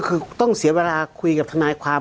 คือต้องเสียเวลาคุยกับทนายความ